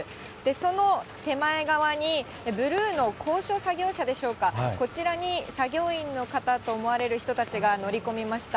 その手前側にブルーの高所作業車でしょうか、こちらに作業員の方と思われる人たちが乗り込みました。